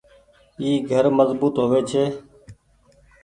اي گهر مزبوت هووي ڇي